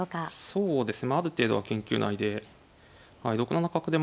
そうですね。